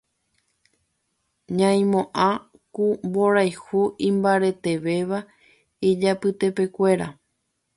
Ñaimoã ku mborayhu imbaretevéva ijapytepekuéra.